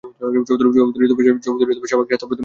চৌধুরী সাবেক স্বাস্থ্য প্রতিমন্ত্রী।